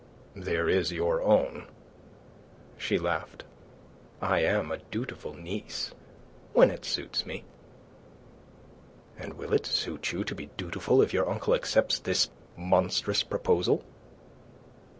"There is your own." She laughed. "I am a dutiful niece... when it suits me." "And will it suit you to be dutiful if your uncle accepts this monstrous proposal?"